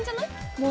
もう？